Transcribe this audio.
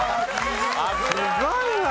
すごいわ。